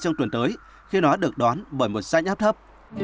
trong tuần tới khi nó được đoán bởi một sách áp thấp